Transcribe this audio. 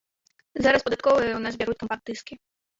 Зараз падатковыя ў нас бяруць кампакт-дыскі.